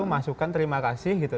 masukkan terima kasih gitu